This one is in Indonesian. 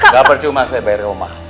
gak percuma saya bayar rumah